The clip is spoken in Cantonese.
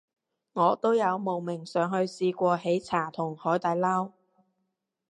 我都有慕名上去試過喜茶同海底撈